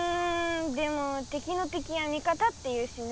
でもてきのてきは味方って言うしね。